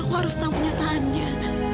aku harus tahu kenyataannya